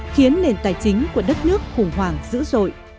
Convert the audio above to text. khiến nền tài chính của đất nước khủng hoảng dữ dội